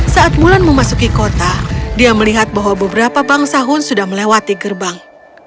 saat mulan memasuki kota dia melihat bahwa beberapa bangsa hun sudah melewati gerbang